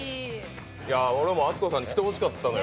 俺もアツコさんに着てほしかったのよ。